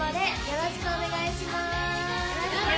よろしくお願いします。